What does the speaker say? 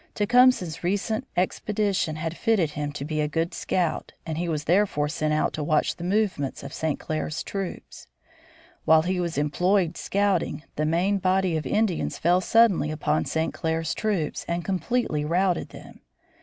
Tecumseh's recent expedition had fitted him to be a good scout, and he was therefore sent out to watch the movements of St. Clair's troops. While he was employed scouting, the main body of Indians fell suddenly upon St. Clair's troops and completely routed them.